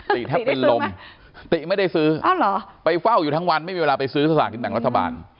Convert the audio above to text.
แทบเป็นลมติไม่ได้ซื้อไปเฝ้าอยู่ทั้งวันไม่มีเวลาไปซื้อสลากกินแบ่งรัฐบาล